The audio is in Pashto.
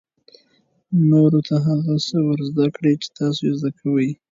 نورو ته هغه څه ور زده کړئ چې تاسو یې زده کوئ.